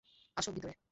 আসো, ভিতরে।